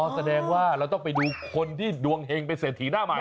แสดงว่าเราต้องไปดูคนที่ดวงเฮงเป็นเศรษฐีหน้าใหม่